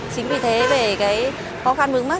chính vì thế về cái khó khăn bước mắt